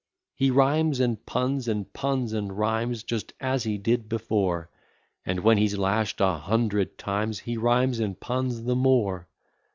He rhymes and puns, and puns and rhymes, Just as he did before; And, when he's lash'd a hundred times, He rhymes and puns the more.